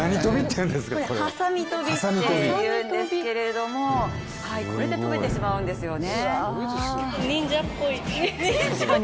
これははさみ跳びっていうんですけれどもこれで跳べてしまうんですよね。